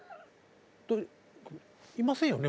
いませんよね？